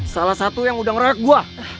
salah satu yang udah ngeroyok gue